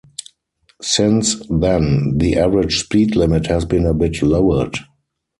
Since then, the average speed limit has been a bit lowered.